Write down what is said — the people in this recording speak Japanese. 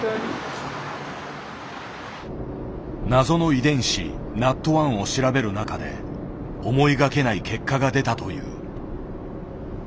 謎の遺伝子ＮＡＴ１を調べる中で思いがけない結果が出たという。